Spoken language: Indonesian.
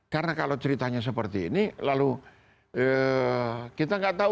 karena kalau ceritanya seperti ini lalu kita gak tahu